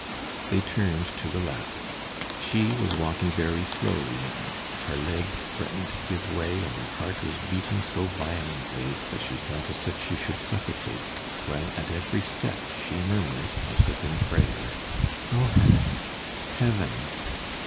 They turned to the left. She was walking very slowly now, her legs threatened to give way, and her heart was beating so violently that she felt as if she should suffocate, while at every step she murmured, as if in prayer: "Oh! Heaven! Heaven!"